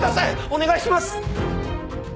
お願いします！